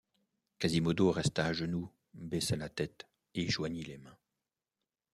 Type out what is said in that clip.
Quasimodo resta à genoux, baissa la tête et joignit les mains.